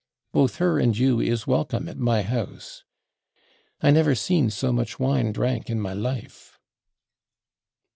Both /her/ and you /is/ welcome at my house.... I never /seen/ so much wine /drank/ in my life....